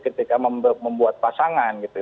ketika membuat pasangan gitu